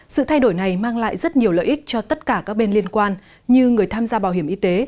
sự thay đổi này mang lại rất nhiều lợi ích cho tất cả các bên liên quan như người tham gia bảo hiểm y tế